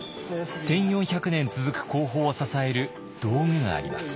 １，４００年続く工法を支える道具があります。